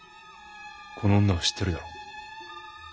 この女を知ってるだろう？